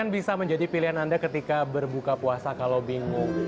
bisa menjadi pilihan anda ketika berbuka puasa kalau bingung